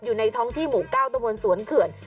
อยู่ในท้องที่หมู่ก้าวตระมวลสวนเขื่อน